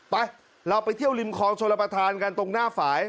ไปเราไปเที่ยวริมคลองชลประธานกันตรงหน้าฝ่าย